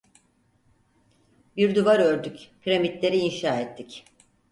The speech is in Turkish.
Bir duvar ördük, Piramitleri inşa ettik.